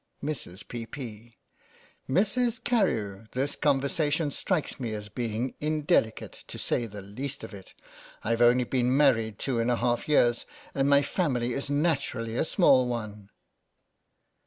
Mrs, P.'P. : Mrs. Carewe, this conversation strikes me as being indelicate, to say the least of it. I've only been married two and a THE BAKER'S DOZEN 113 half years, and my family is naturally a small one.